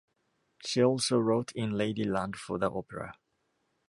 She also wrote "In Lady Land" for the opera.